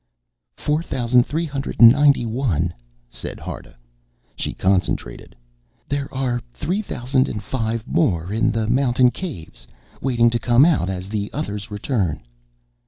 "Four thousand three hundred and ninety one," said Harta. She concentrated. "There are three thousand and five more in the mountain caves, waiting to come out as the others return."